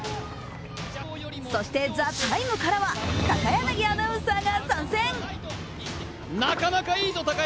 そして「ＴＨＥＴＩＭＥ，」からは高柳アナウンサーが参戦。